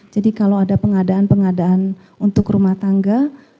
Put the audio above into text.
jadi kalau ada pengadaan pengadaan untuk rumah tangga